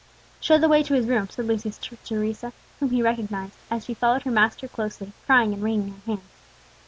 "Show the way to his room," said Lucius to Teresa, whom he recognized, as she followed her master closely, crying and wringing her hands.